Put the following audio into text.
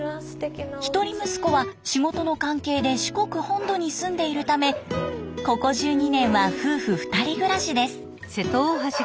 一人息子は仕事の関係で四国本土に住んでいるためここ１２年は夫婦２人暮らしです。